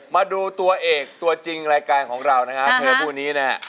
มาดูตัวเอกตัวจริงรายการของเรานะครับเธอผู้นี้เนี่ย